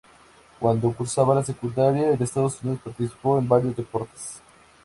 Cuando cursaba la secundaria en Estados Unidos participó en varios deportes.